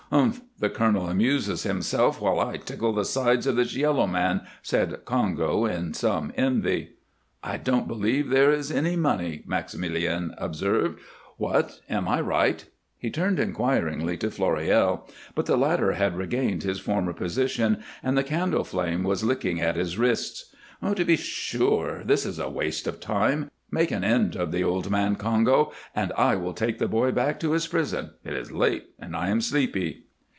"Humph! The colonel amuses himself while I tickle the sides of this yellow man," said Congo in some envy. "I don't believe there is any money," Maximilien observed. "What? Am I right?" He turned inquiringly to Floréal, but the latter had regained his former position, and the candle flame was licking at his wrists. "To be sure! This is a waste of time. Make an end of the old man, Congo, and I will take the boy back to his prison. It is late and I am sleepy."